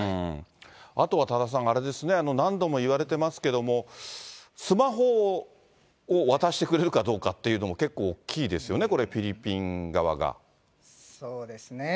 あとは多田さん、あれですね、何度も言われてますけども、スマホを渡してくれるかどうかというのも、結構大きいですよね、そうですね。